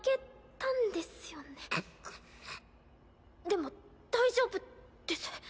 でも大丈夫です。